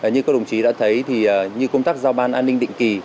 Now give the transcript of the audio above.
như các đồng chí đã thấy thì như công tác giao ban an ninh định kỳ